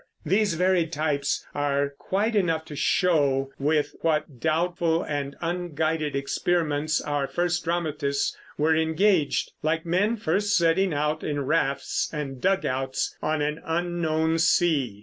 These varied types are quite enough to show with what doubtful and unguided experiments our first dramatists were engaged, like men first setting out in rafts and dugouts on an unknown sea.